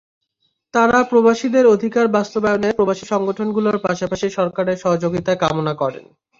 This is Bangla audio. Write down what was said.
তারা প্রবাসীদের অধিকার বাস্তবায়নে প্রবাসী সংগঠনগুলোর পাশাপাশি সরকারের সহযোগিতা কামনা করেন।